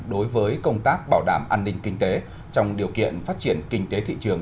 đối với công tác bảo đảm an ninh kinh tế trong điều kiện phát triển kinh tế thị trường